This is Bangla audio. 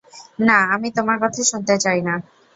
না, আমি তোমার কথা শুনতে চাই না।